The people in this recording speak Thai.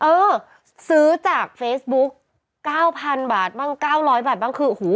เออซื้อจากเฟซบุ๊ก๙๐๐บาทบ้าง๙๐๐บาทบ้างคือโอ้โห